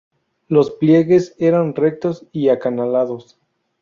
Los pliegues eran rectos y acanalados.